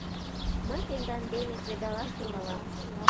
Мый тендан дене кредалаш тӱҥалам.